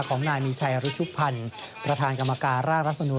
ของนายมีชัยรุชุพันธ์ประธานกรรมการร่างรัฐมนุน